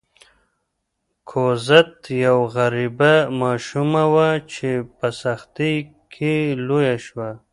کوزت یوه غریبه ماشومه وه چې په سختۍ کې لویه شوه.